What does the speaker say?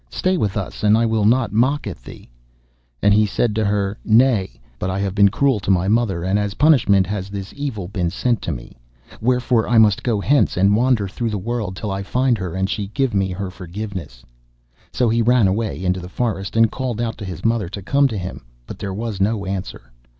Stay with us, and I will not mock at thee.' And he said to her, 'Nay, but I have been cruel to my mother, and as a punishment has this evil been sent to me. Wherefore I must go hence, and wander through the world till I find her, and she give me her forgiveness.' So he ran away into the forest and called out to his mother to come to him, but there was no answer.